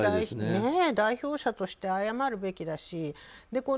代表者として謝るべきだし。